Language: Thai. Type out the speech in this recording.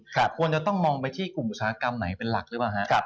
ควรจะต้องมองไปที่กลุ่มอุตสาหกรรมไหนเป็นหลักหรือเปล่าฮะ